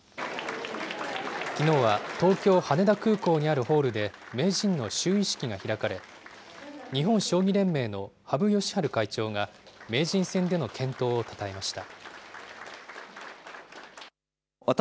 きのうは東京・羽田空港にあるホールで名人の就位式が開かれ、日本将棋連盟の羽生善治会長が、名人戦での健闘をたたえました。